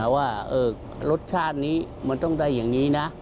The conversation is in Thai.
ว่ารสชาตินี้มันต้องได้อย่างนี้นะ